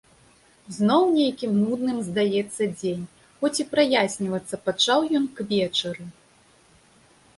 Зноў нейкім нудным здаецца дзень, хоць і праяснівацца пачаў ён к вечару.